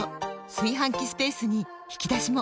炊飯器スペースに引き出しも！